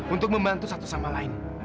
untuk membantu satu sama lain